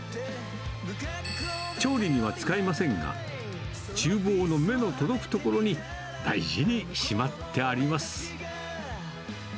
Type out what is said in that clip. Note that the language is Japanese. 調理には使えませんが、ちゅう房の目の届く所に大事にしまってあります。